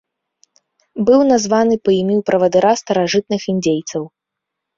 Быў названы па імю правадыра старажытных індзейцаў.